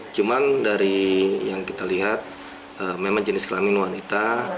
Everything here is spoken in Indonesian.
cuman dari yang kita lihat memang jenis kelamin wanita